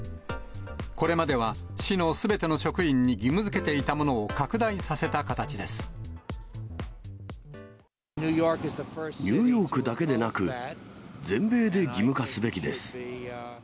これまでは市のすべての職員に義務づけていたものを拡大させた形ニューヨークだけでなく、全米で義務化すべきです。